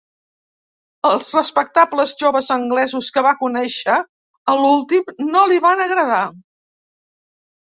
Els respectables joves anglesos que va conèixer a l'últim no li van agradar.